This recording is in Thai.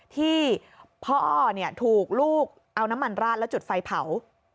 ที่พ่อถูกลูกเอาน้ำมันราดแล้วจุดไฟเผา